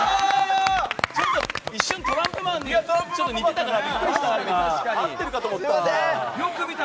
ちょっと一瞬トランプマンに似てるから合っているかと思った。